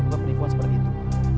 bukan penipuan seperti itu